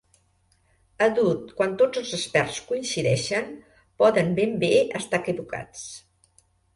Àdhuc quan tots els experts coincideixen, poden ben bé estar equivocats.